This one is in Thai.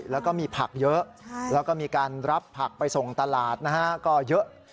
แล้วก็มีผักเยอะแล้วก็มีการรับผักไปส่งตลาดนะฮะก็เยอะ